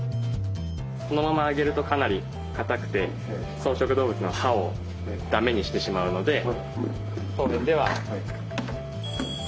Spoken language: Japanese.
このままあげるとかなり硬くて草食動物の歯をだめにしてしまうので当園ではふやかして。